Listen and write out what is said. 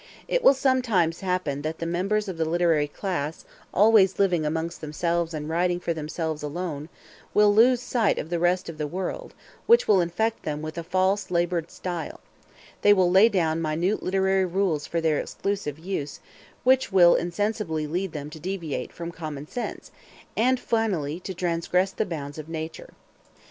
It will sometimes happen that the members of the literary class, always living amongst themselves and writing for themselves alone, will lose sight of the rest of the world, which will infect them with a false and labored style; they will lay down minute literary rules for their exclusive use, which will insensibly lead them to deviate from common sense, and finally to transgress the bounds of nature.